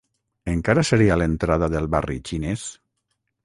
Encara seria l'entrada del barri xinés?